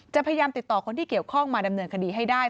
พยายามติดต่อคนที่เกี่ยวข้องมาดำเนินคดีให้ได้